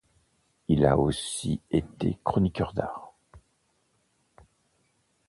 Il a aussi été chroniqueur d'art.